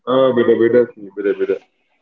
ah beda beda sih beda beda